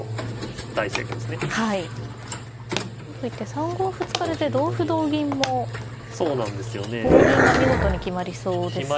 ３五歩突かれて同歩同銀も棒銀が見事に決まりそうですよね。